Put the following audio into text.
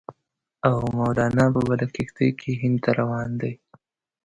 او مولنا په بله کښتۍ کې هند ته را روان دی.